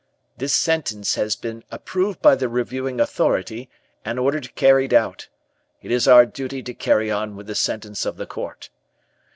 This sentence has been approved by the reviewing authority and ordered carried out. It is our duty to carry on with the sentence of the court.